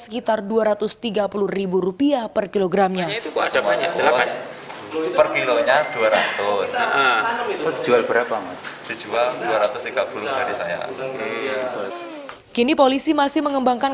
ketiga yang dikumpulkan oleh petasan